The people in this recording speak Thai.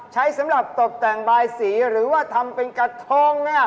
ใช้สำหรับตบแต่งบายสีหรือว่าทำเป็นกระทง